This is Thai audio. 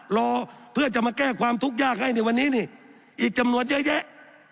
รอเพื่อจะมาแก้ความทุกข์ยากให้ในวันนี้นี่อีกจำนวนเยอะแยะ